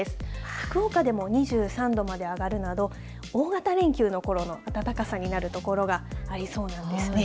福岡でも２３度まで上がるなど、大型連休のころの暖かさになる所がありそうなんですね。